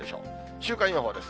週間予報です。